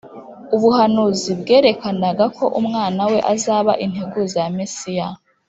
, ubuhanuzi bwerekanaga ko umwana we azaba integuza ya Mesiya.